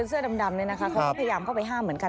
เขาก็พยายามเข้าไปห้ามเหมือนกัน